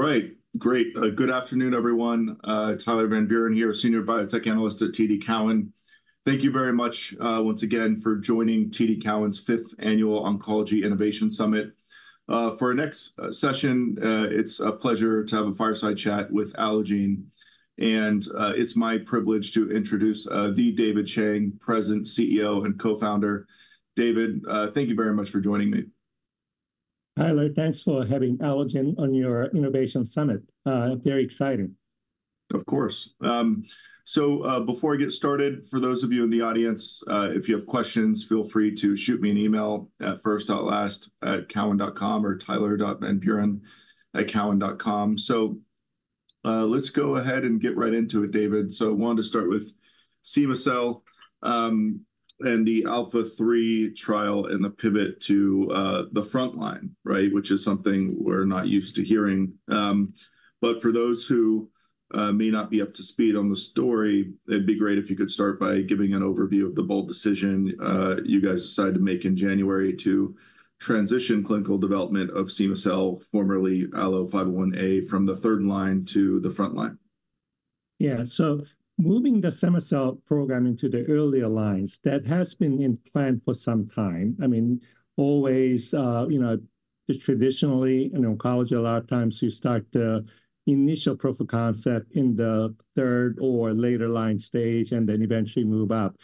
All right, great. Good afternoon, everyone. Tyler Van Buren here, Senior Biotech Analyst at TD Cowen. Thank you very much, once again for joining TD Cowen's Fifth Annual Oncology Innovation Summit. For our next session, it's a pleasure to have a fireside chat with Allogene, and it's my privilege to introduce David Chang, President, CEO and co-founder. David, thank you very much for joining me. Hi, Tyler. Thanks for having Allogene on your innovation summit. Very exciting! Of course. So, before I get started, for those of you in the audience, if you have questions, feel free to shoot me an email at first.last@cowen.com or tyler.vanburen@cowen.com. So, let's go ahead and get right into it, David. So I wanted to start with cema-cel, and the ALPHA-3 trial and the pivot to, the frontline, right? Which is something we're not used to hearing. But for those who, may not be up to speed on the story, it'd be great if you could start by giving an overview of the bold decision, you guys decided to make in January to transition clinical development of cema-cel, formerly ALLO-501A, from the third line to the frontline. Yeah. So moving the cema-cel program into the earlier lines, that has been in plan for some time. I mean, always, you know, traditionally, in oncology, a lot of times you start the initial proof of concept in the third or later-line stage and then eventually move up.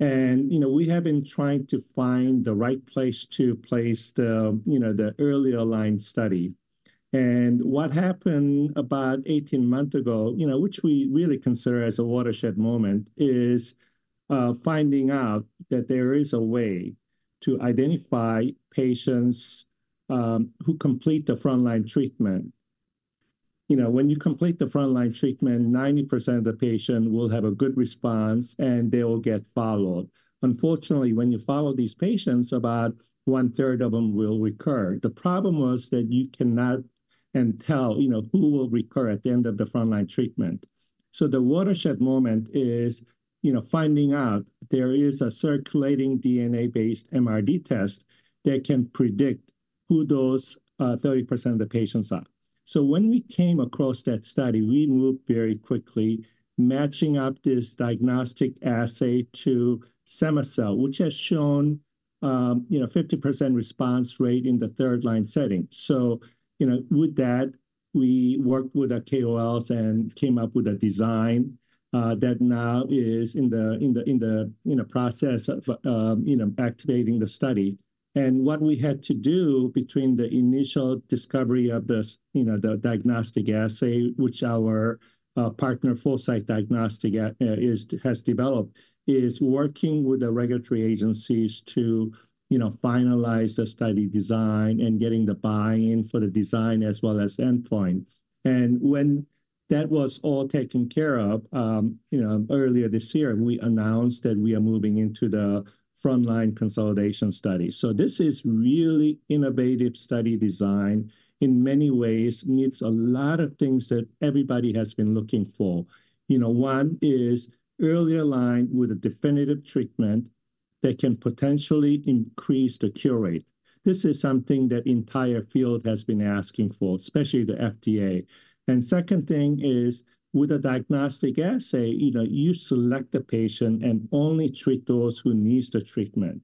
And, you know, we have been trying to find the right place to place the, you know, the earlier line study. And what happened about 18 months ago, you know, which we really consider as a watershed moment, is, finding out that there is a way to identify patients, who complete the frontline treatment. You know, when you complete the frontline treatment, 90% of the patient will have a good response, and they will get followed. Unfortunately, when you follow these patients, about one-third of them will recur. The problem was that you cannot predict, you know, who will recur at the end of the frontline treatment. So the watershed moment is, you know, finding out there is a circulating DNA-based MRD test that can predict who those 30% of the patients are. So when we came across that study, we moved very quickly, matching up this diagnostic assay to cema-cel, which has shown, you know, 50% response rate in the third line setting. So, you know, with that, we worked with the KOLs and came up with a design that now is in the process of activating the study. What we had to do between the initial discovery of this, you know, the diagnostic assay, which our partner, Foresight Diagnostics, is... has developed, is working with the regulatory agencies to, you know, finalize the study design and getting the buy-in for the design as well as endpoint. And when that was all taken care of, you know, earlier this year, we announced that we are moving into the frontline consolidation study. So this is really innovative study design, in many ways, meets a lot of things that everybody has been looking for. You know, one is earlier line with a definitive treatment that can potentially increase the cure rate. This is something that the entire field has been asking for, especially the FDA. And second thing is, with a diagnostic assay, you know, you select the patient and only treat those who needs the treatment.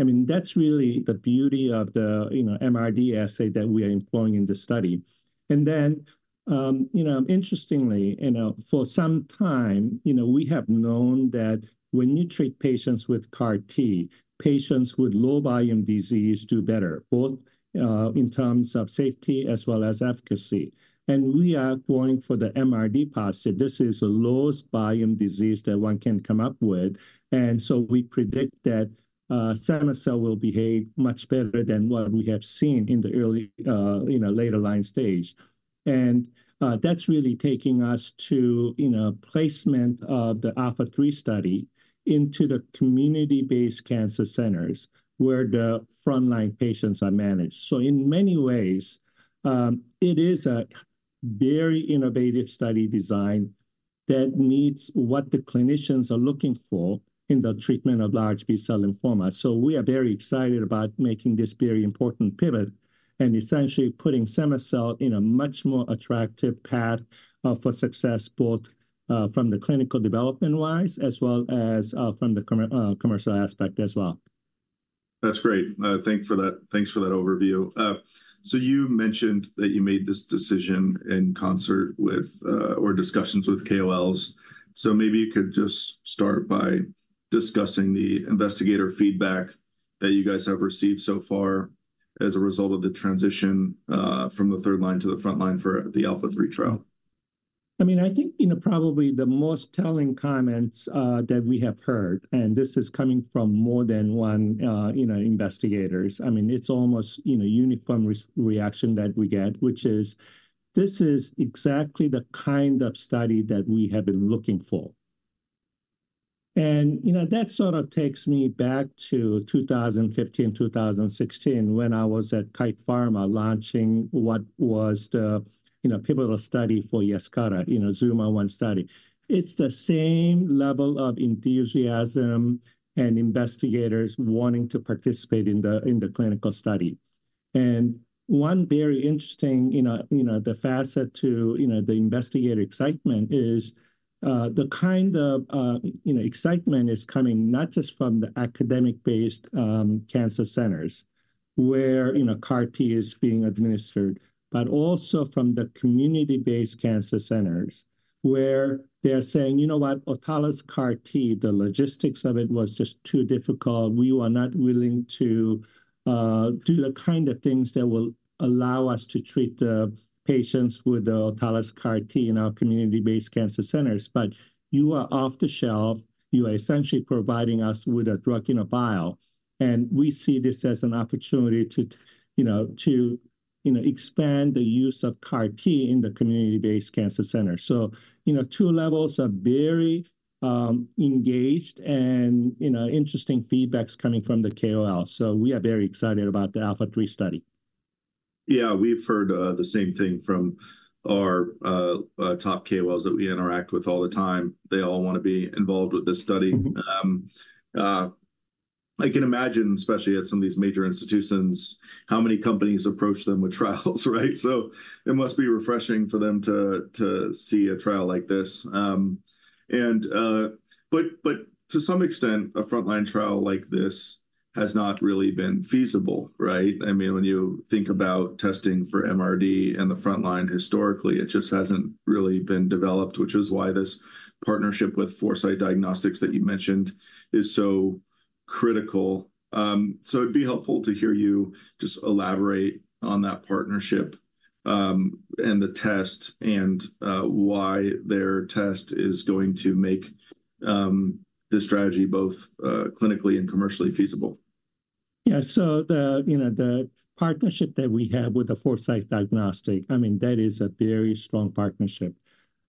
I mean, that's really the beauty of the, you know, MRD assay that we are employing in the study. And then, you know, interestingly, you know, for some time, you know, we have known that when you treat patients with CAR T, patients with low-volume disease do better, both in terms of safety as well as efficacy. And we are going for the MRD positive. This is the lowest volume disease that one can come up with, and so we predict that, cema-cel will behave much better than what we have seen in the early, you know, later line stage. And, that's really taking us to, you know, placement of the ALPHA-3 study into the community-based cancer centers, where the frontline patients are managed. So in many ways, it is a very innovative study design that meets what the clinicians are looking for in the treatment of large B-cell lymphoma. We are very excited about making this very important pivot and essentially putting cema-cel in a much more attractive path for success, both from the clinical development-wise, as well as from the commercial aspect as well. That's great. Thanks for that overview. So you mentioned that you made this decision in concert with, or discussions with KOLs. So maybe you could just start by discussing the investigator feedback that you guys have received so far as a result of the transition from the third line to the frontline for the ALPHA-3 trial. I mean, I think, you know, probably the most telling comments that we have heard, and this is coming from more than one, you know, investigators, I mean, it's almost, you know, uniform reaction that we get, which is: "This is exactly the kind of study that we have been looking for." And, you know, that sort of takes me back to 2015, 2016 when I was at Kite Pharma, launching what was the, you know, pivotal study for Yescarta, you know, ZUMA-1 study. It's the same level of enthusiasm and investigators wanting to participate in the, in the clinical study.... One very interesting, you know, you know, the facet to, you know, the investigator excitement is, the kind of, you know, excitement is coming not just from the academic-based cancer centers, where, you know, CAR T is being administered, but also from the community-based cancer centers, where they are saying, "You know what? Autologous CAR T, the logistics of it was just too difficult. We were not willing to, do the kind of things that will allow us to treat the patients with the Autologous CAR T in our community-based cancer centers. But you are off the shelf, you are essentially providing us with a drug in a vial, and we see this as an opportunity to, you know, to, you know, expand the use of CAR T in the community-based cancer center." So, you know, two levels are very, engaged, and, you know, interesting feedback's coming from the KOL. So we are very excited about the ALPHA-3 study. Yeah, we've heard the same thing from our top KOLs that we interact with all the time. They all wanna be involved with this study. Mm-hmm. I can imagine, especially at some of these major institutions, how many companies approach them with trials, right? So it must be refreshing for them to see a trial like this. But to some extent, a frontline trial like this has not really been feasible, right? I mean, when you think about testing for MRD in the frontline, historically, it just hasn't really been developed, which is why this partnership with Foresight Diagnostics that you mentioned is so critical. So it'd be helpful to hear you just elaborate on that partnership, and the test, and why their test is going to make this strategy both clinically and commercially feasible. Yeah, so the, you know, the partnership that we have with the Foresight Diagnostics, I mean, that is a very strong partnership.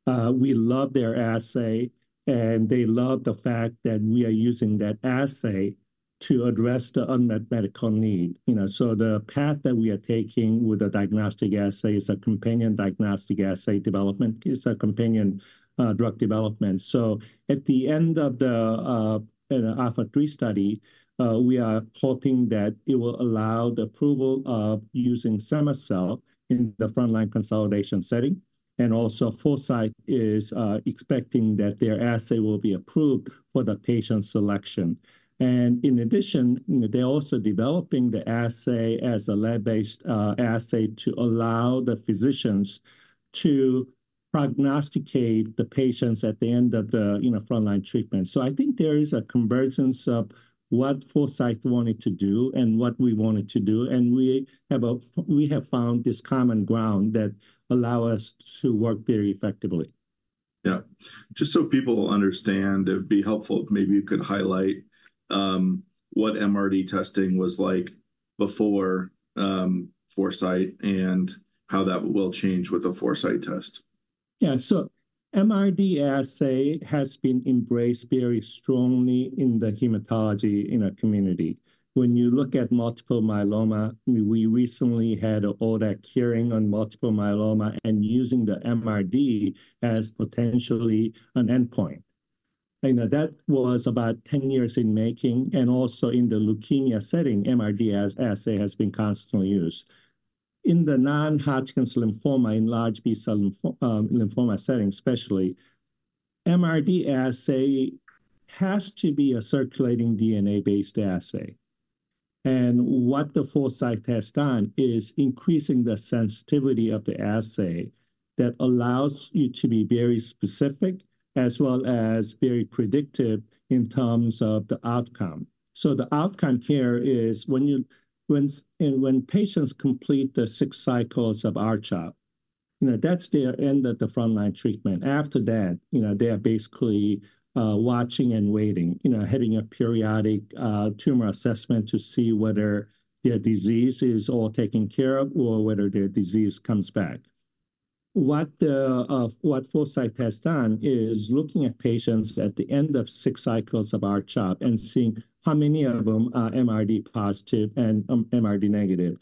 We love their assay, and they love the fact that we are using that assay to address the unmet medical need. You know, so the path that we are taking with the diagnostic assay is a companion diagnostic assay development, is a companion, drug development. So at the end of the ALPHA-3 study, we are hoping that it will allow the approval of using cema-cel in the frontline consolidation setting. And also, Foresight is expecting that their assay will be approved for the patient selection. And in addition, they're also developing the assay as a lab-based, assay to allow the physicians to prognosticate the patients at the end of the, you know, frontline treatment. So I think there is a convergence of what Foresight wanted to do and what we wanted to do, and we have found this common ground that allow us to work very effectively. Yeah. Just so people understand, it would be helpful if maybe you could highlight what MRD testing was like before Foresight, and how that will change with the Foresight test. Yeah, so MRD assay has been embraced very strongly in the hematology in our community. When you look at multiple myeloma, we recently had ODAC hearing on multiple myeloma and using the MRD as potentially an endpoint. You know, that was about 10 years in making, and also in the leukemia setting, MRD as assay has been constantly used. In the non-Hodgkin's lymphoma, in large B-cell lymphoma setting especially, MRD assay has to be a circulating DNA-based assay. And what the Foresight has done is increasing the sensitivity of the assay that allows you to be very specific, as well as very predictive in terms of the outcome. So the outcome here is when patients complete the six cycles of R-CHOP, you know, that's their end of the frontline treatment. After that, you know, they are basically watching and waiting, you know, having a periodic tumor assessment to see whether their disease is all taken care of or whether their disease comes back. What Foresight has done is looking at patients at the end of six cycles of R-CHOP and seeing how many of them are MRD positive and MRD negative.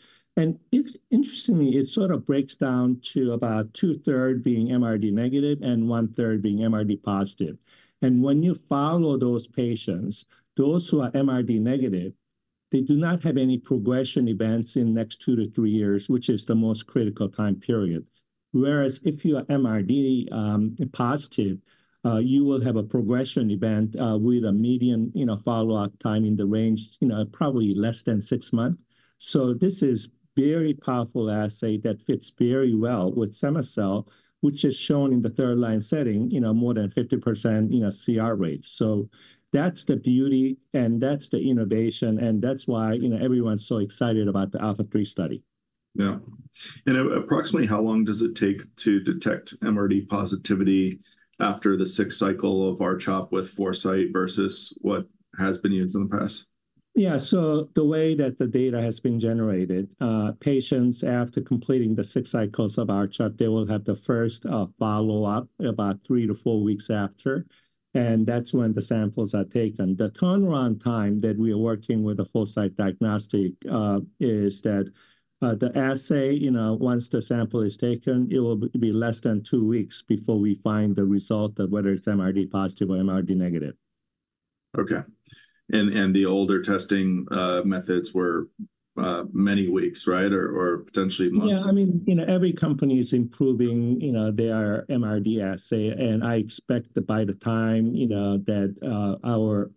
Interestingly, it sort of breaks down to about two-thirds being MRD negative and one-third being MRD positive. And when you follow those patients, those who are MRD negative, they do not have any progression events in next two to three years, which is the most critical time period. Whereas if you are MRD positive, you will have a progression event with a median, you know, follow-up time in the range, you know, probably less than six months. So this is very powerful assay that fits very well with cema-cel, which is shown in the third-line setting, you know, more than 50%, you know, CR rate. So that's the beauty, and that's the innovation, and that's why, you know, everyone's so excited about the ALPHA-3 study. Yeah. And approximately how long does it take to detect MRD positivity after the six cycle of R-CHOP with Foresight versus what has been used in the past? Yeah, so the way that the data has been generated, patients, after completing the six cycles of R-CHOP, they will have the first follow-up about three to four weeks after, and that's when the samples are taken. The turnaround time that we are working with the Foresight Diagnostics is that the assay, you know, once the sample is taken, it will be less than two weeks before we find the result of whether it's MRD positive or MRD negative.... Okay. And the older testing methods were many weeks, right? Or potentially months. Yeah, I mean, you know, every company is improving, you know, their MRD assay, and I expect that by the time, you know, that, our,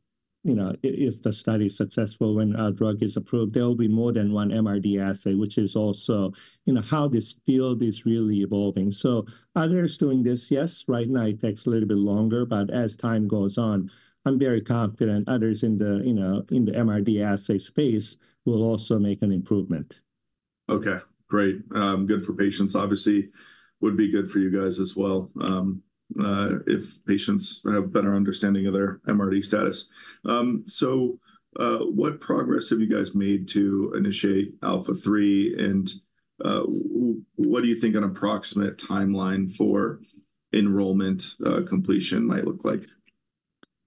you know, if the study is successful, when our drug is approved, there will be more than one MRD assay, which is also, you know, how this field is really evolving. So others doing this, yes, right now it takes a little bit longer, but as time goes on, I'm very confident others in the, you know, in the MRD assay space will also make an improvement. Okay, great. Good for patients, obviously. Would be good for you guys as well, if patients have better understanding of their MRD status. So, what progress have you guys made to initiate Alpha-3, and what do you think an approximate timeline for enrollment, completion might look like?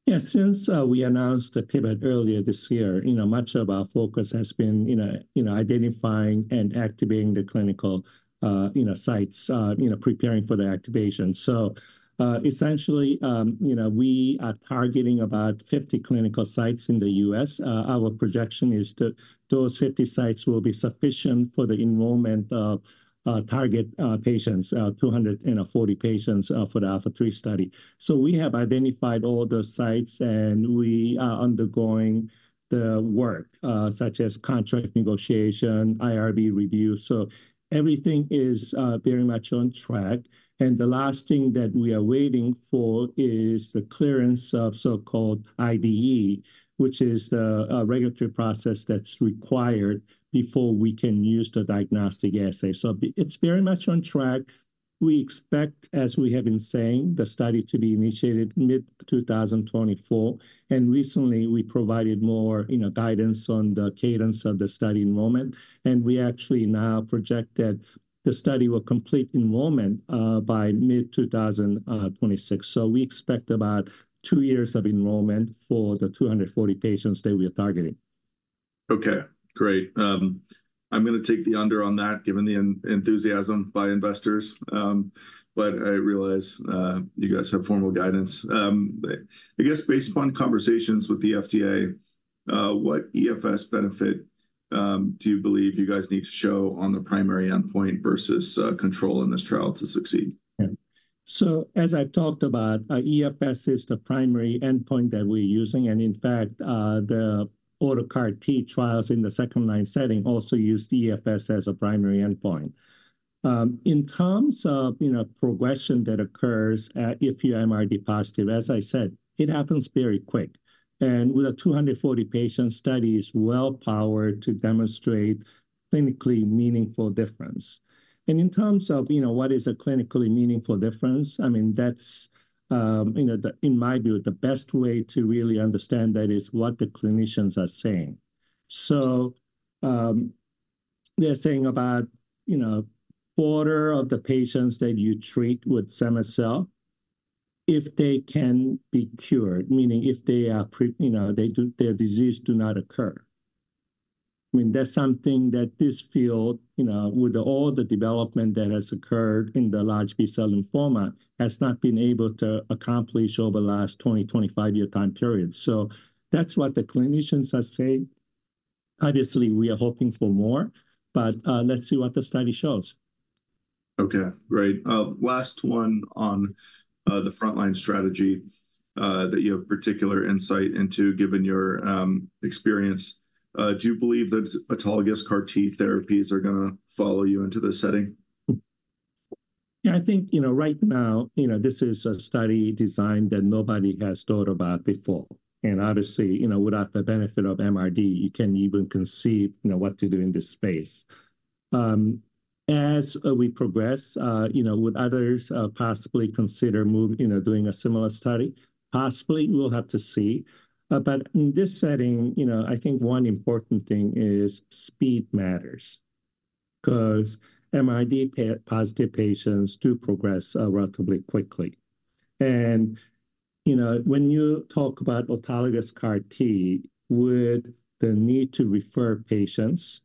Yeah, since we announced the pivot earlier this year, you know, much of our focus has been, you know, you know, identifying and activating the clinical, you know, sites, you know, preparing for the activation. So, essentially, you know, we are targeting about 50 clinical sites in the U.S. Our projection is that those 50 sites will be sufficient for the enrollment of, target, patients, 240 patients, for the ALPHA-3 study. So we have identified all the sites, and we are undergoing the work, such as contract negotiation, IRB review. So everything is, very much on track, and the last thing that we are waiting for is the clearance of so-called IDE, which is the, regulatory process that's required before we can use the diagnostic assay. So it- it's very much on track. We expect, as we have been saying, the study to be initiated mid-2024, and recently we provided more, you know, guidance on the cadence of the study enrollment. We actually now project that the study will complete enrollment by mid-2026. We expect about two years of enrollment for the 240 patients that we are targeting. Okay, great. I'm going to take the under on that, given the enthusiasm by investors, but I realize, you guys have formal guidance. But I guess based upon conversations with the FDA, what EFS benefit do you believe you guys need to show on the primary endpoint versus control in this trial to succeed? So as I've talked about, EFS is the primary endpoint that we're using, and in fact, the autologous CAR T trials in the second-line setting also use EFS as a primary endpoint. In terms of, you know, progression that occurs at, if you're MRD positive, as I said, it happens very quick. And with a 240 patient study, is well powered to demonstrate clinically meaningful difference. And in terms of, you know, what is a clinically meaningful difference, I mean, that's, you know, the- in my view, the best way to really understand that is what the clinicians are saying. So, they're saying about, you know, a quarter of the patients that you treat with cema-cel, if they can be cured, meaning if they are pre- you know, their disease do not occur. I mean, that's something that this field, you know, with all the development that has occurred in the large B-cell lymphoma, has not been able to accomplish over the last 20, 25-year time period. So that's what the clinicians are saying. Obviously, we are hoping for more, but, let's see what the study shows. Okay, great. Last one on the frontline strategy that you have particular insight into, given your experience. Do you believe that autologous CAR T therapies are gonna follow you into this setting? Yeah, I think, you know, right now, you know, this is a study design that nobody has thought about before. Obviously, you know, without the benefit of MRD, you can't even conceive, you know, what to do in this space. As we progress, you know, would others possibly consider doing a similar study? Possibly. We'll have to see. In this setting, you know, I think one important thing is speed matters, 'cause MRD positive patients do progress relatively quickly. You know, when you talk about autologous CAR-T, with the need to refer patients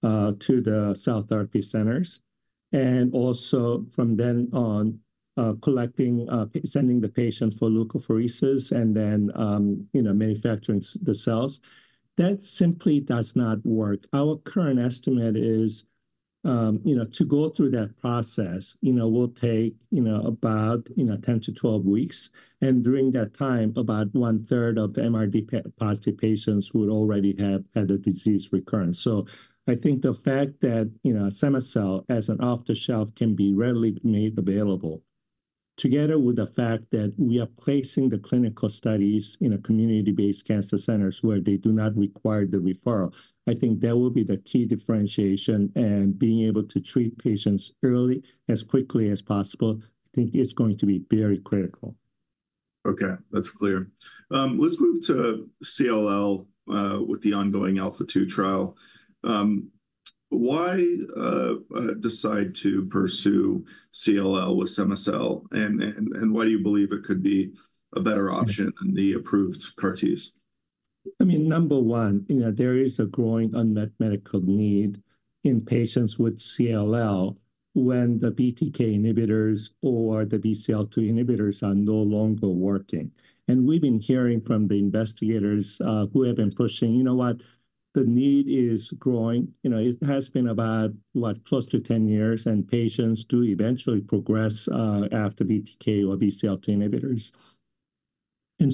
to the cell therapy centers, and also from then on, collecting, sending the patient for leukapheresis and then, you know, manufacturing the cells, that simply does not work. Our current estimate is, you know, to go through that process, you know, will take, you know, about, you know, 10 to 12 weeks, and during that time, about one-third of MRD-positive patients would already have had a disease recurrence. So I think the fact that, you know, cema-cel, as an off-the-shelf, can be readily made available, together with the fact that we are placing the clinical studies in community-based cancer centers where they do not require the referral, I think that will be the key differentiation, and being able to treat patients early, as quickly as possible, I think it's going to be very critical. Okay, that's clear. Let's move to CLL with the ongoing ALPHA-2 trial. Why decide to pursue CLL with cema-cel, and why do you believe it could be a better option than the approved CAR Ts?... I mean, number one, you know, there is a growing unmet medical need in patients with CLL when the BTK inhibitors or the BCL-2 inhibitors are no longer working. And we've been hearing from the investigators, who have been pushing, "You know what? The need is growing." You know, it has been about, what, close to 10 years, and patients do eventually progress after BTK or BCL-2 inhibitors. And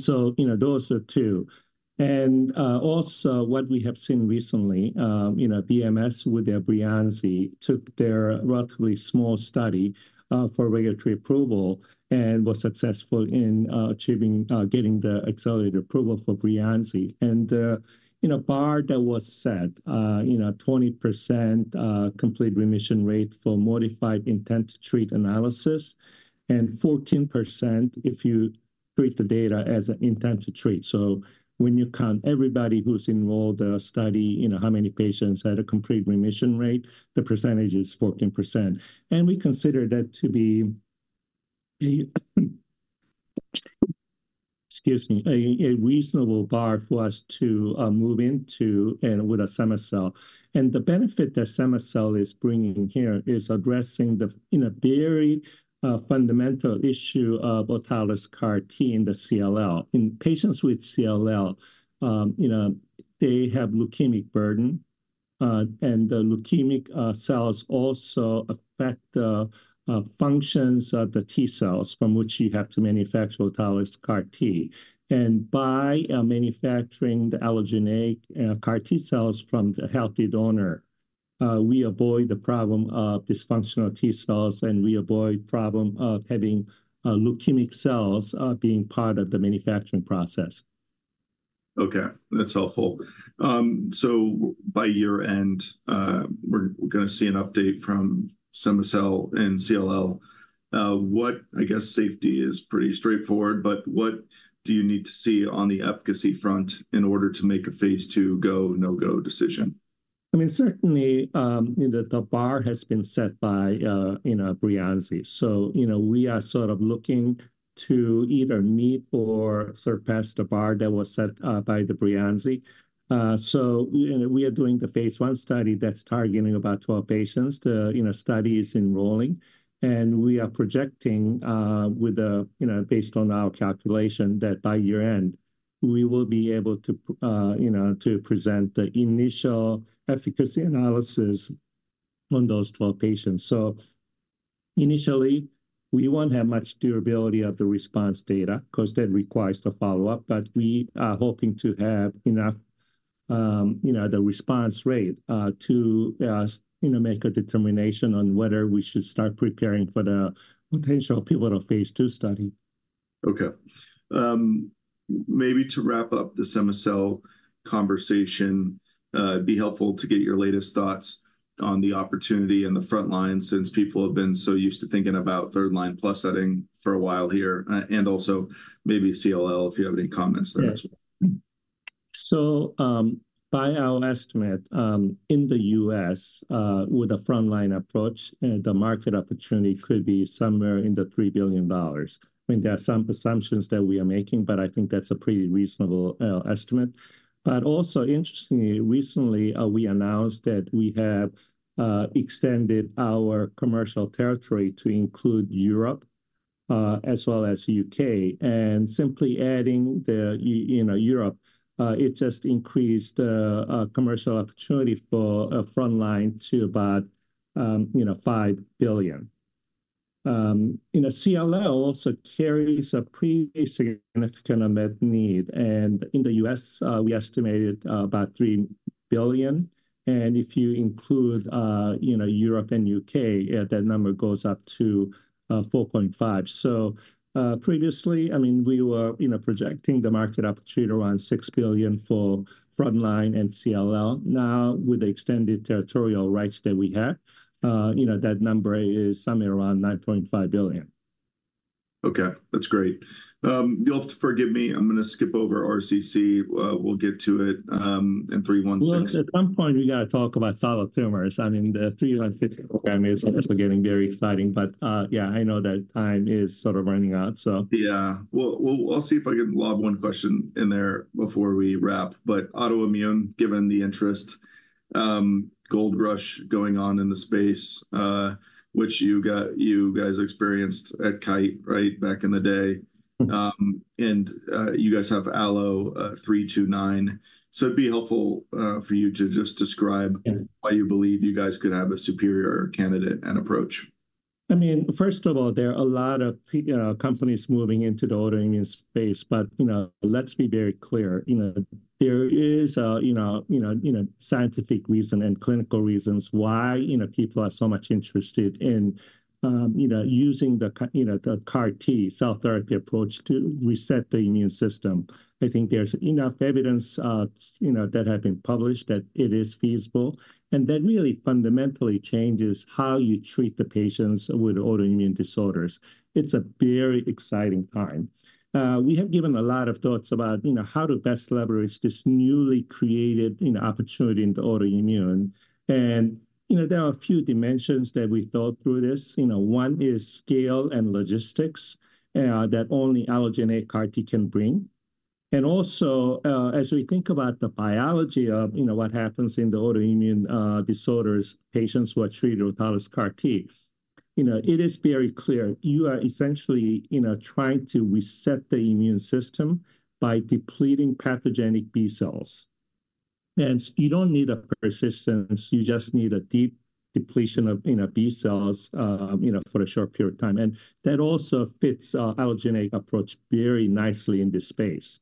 also what we have seen recently, you know, BMS, with their Breyanzi, took their relatively small study for regulatory approval and was successful in achieving getting the accelerated approval for Breyanzi. You know, bar that was set, you know, 20% complete remission rate for modified intent to treat analysis, and 14% if you treat the data as an intent to treat. So when you count everybody who's involved in a study, you know, how many patients had a complete remission rate, the percentage is 14%. And we consider that to be a, excuse me, a reasonable bar for us to move into and with cema-cel. And the benefit that cema-cel is bringing here is addressing the, you know, very fundamental issue of autologous CAR T in the CLL. In patients with CLL, you know, they have leukemic burden, and the leukemic cells also affect the functions of the T-cells, from which you have to manufacture autologous CAR T. By manufacturing the allogeneic CAR T-cells from the healthy donor, we avoid the problem of dysfunctional T-cells, and we avoid problem of having leukemic cells being part of the manufacturing process. Okay, that's helpful. So by year-end, we're gonna see an update from cema-cel and CLL. What... I guess safety is pretty straightforward, but what do you need to see on the efficacy front in order to make a phase II go/no-go decision? I mean, certainly, you know, the bar has been set by, you know, Breyanzi. So, you know, we are sort of looking to either meet or surpass the bar that was set, by the Breyanzi. So, you know, we are doing the phase I study that's targeting about 12 patients. You know, the study is enrolling, and we are projecting, with, you know, based on our calculation, that by year-end, we will be able to, you know, to present the initial efficacy analysis on those 12 patients. So initially, we won't have much durability of the response data, 'cause that requires the follow-up, but we are hoping to have enough, you know, the response rate, to, you know, make a determination on whether we should start preparing for the potential pivotal of phase II study. Okay. Maybe to wrap up the cema-cel conversation, it'd be helpful to get your latest thoughts on the opportunity and the front line, since people have been so used to thinking about third line plus setting for a while here, and also maybe CLL, if you have any comments there as well. Yes. So, by our estimate, in the U.S., with a frontline approach, the market opportunity could be somewhere in the $3 billion. I mean, there are some assumptions that we are making, but I think that's a pretty reasonable estimate. But also, interestingly, recently, we announced that we have extended our commercial territory to include Europe, as well as the U.K. And simply adding the, you know, Europe, it just increased a commercial opportunity for a frontline to about, you know, $5 billion. You know, CLL also carries a pretty significant unmet need, and in the U.S., we estimated about $3 billion, and if you include, you know, Europe and U.K., that number goes up to $4.5 billion. Previously, I mean, we were, you know, projecting the market opportunity around $6 billion for frontline and CLL. Now, with the extended territorial rights that we have, you know, that number is somewhere around $9.5 billion. Okay, that's great. You'll have to forgive me, I'm gonna skip over RCC. We'll get to it in three one six. Well, at some point, we gotta talk about solid tumors. I mean, the ALLO-316 program is also getting very exciting. But, yeah, I know that time is sort of running out, so. Yeah. Well, we'll, I'll see if I can lob one question in there before we wrap. But autoimmune, given the interest, gold rush going on in the space, which you guys experienced at Kite, right, back in the day? Mm-hmm. and you guys have ALLO-329. So it'd be helpful for you to just describe- Yeah... why you believe you guys could have a superior candidate and approach. I mean, first of all, there are a lot of companies moving into the autoimmune space, but, you know, let's be very clear. You know, there is a, you know, you know, you know, scientific reason and clinical reasons why, you know, people are so much interested in, you know, using the you know, the CAR T cell therapy approach to reset the immune system. I think there's enough evidence, you know, that have been published that it is feasible, and that really fundamentally changes how you treat the patients with autoimmune disorders. It's a very exciting time. We have given a lot of thoughts about, you know, how to best leverage this newly created, you know, opportunity in the autoimmune. And, you know, there are a few dimensions that we thought through this. You know, one is scale and logistics that only allogeneic CAR T can bring, and also, as we think about the biology of, you know, what happens in the autoimmune disorders, patients who are treated with autologous CAR T, you know, it is very clear you are essentially, you know, trying to reset the immune system by depleting pathogenic B-cells. And you don't need a persistence, you just need a deep depletion of, you know, B-cells, you know, for a short period of time, and that also fits our allogeneic approach very nicely in this space.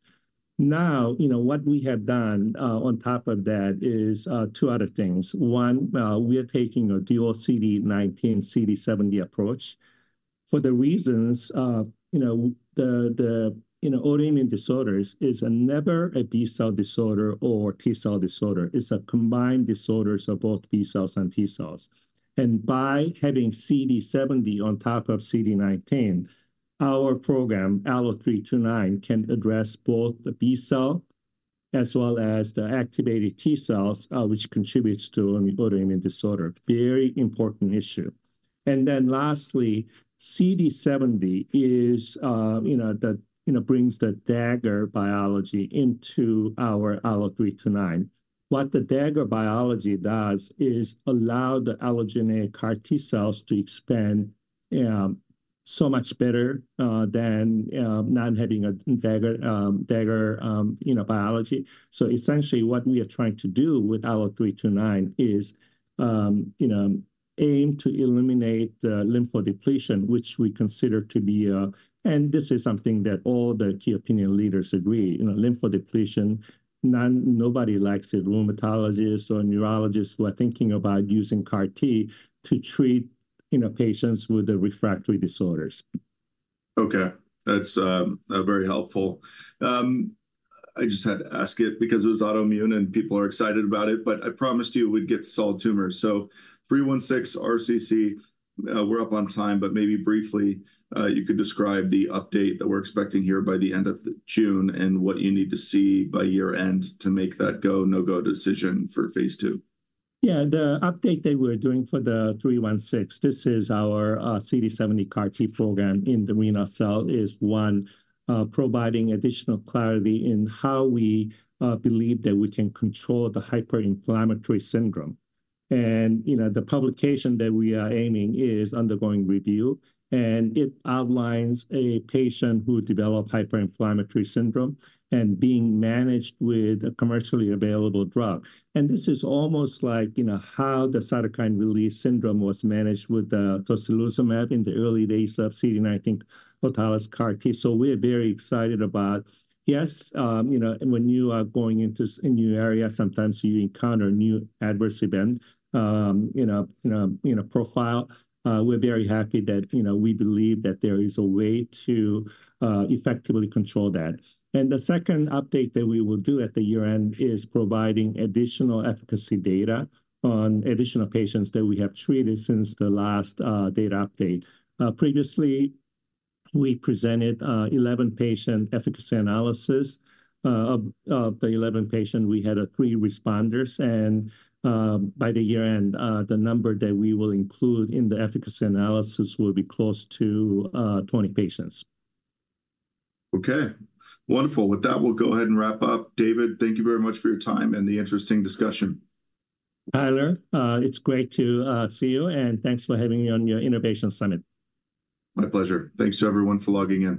Now, you know, what we have done on top of that is two other things. One, we are taking a dual CD19, CD70 approach. For the reasons, you know, autoimmune disorders is never a B-cell disorder or T-cell disorder. It's a combined disorders of both B-cells and T cells. And by having CD70 on top of CD19, our program, ALLO-329, can address both the B-cell as well as the activated T cells, which contributes to an autoimmune disorder. Very important issue. And then lastly, CD70 is, you know, the, you know, brings the Dagger technology into our ALLO-329. What the Dagger technology does is allow the allogeneic CAR T cells to expand, so much better, than, not having a Dagger technology. So essentially, what we are trying to do with ALLO-329 is, you know, aim to eliminate, lymphodepletion, which we consider to be, This is something that all the key opinion leaders agree, you know. Lymphodepletion: none. Nobody likes it, rheumatologists or neurologists who are thinking about using CAR T to treat, you know, patients with the refractory disorders. Okay. That's very helpful. I just had to ask it because it was autoimmune, and people are excited about it, but I promised you we'd get solid tumors. So 316 RCC, we're up on time, but maybe briefly, you could describe the update that we're expecting here by the end of June and what you need to see by year-end to make that go, no-go decision for phase 2. Yeah, the update that we're doing for the 316, this is our CD70 CAR T program in the renal cell, is one providing additional clarity in how we believe that we can control the hyperinflammatory syndrome. And, you know, the publication that we are aiming is undergoing review, and it outlines a patient who developed hyperinflammatory syndrome and being managed with a commercially available drug. And this is almost like, you know, how the cytokine release syndrome was managed with the tocilizumab in the early days of CD19 autologous CAR T. So we're very excited about... Yes, you know, when you are going into a new area, sometimes you encounter a new adverse event, you know, you know, in a profile. We're very happy that, you know, we believe that there is a way to effectively control that. The second update that we will do at the year-end is providing additional efficacy data on additional patients that we have treated since the last data update. Previously, we presented 11-patient efficacy analysis. Of the 11 patients, we had three responders, and by the year-end, the number that we will include in the efficacy analysis will be close to 20 patients. Okay. Wonderful. With that, we'll go ahead and wrap up. David, thank you very much for your time and the interesting discussion. Tyler, it's great to see you, and thanks for having me on your Innovation Summit. My pleasure. Thanks to everyone for logging in.